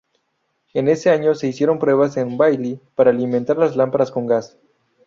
En ese año se hicieron pruebas en Baily para alimentar las lámparas con gas.